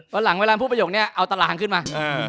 พอการพูดประโยคนเนี่ยเอาตลางขึ้นมา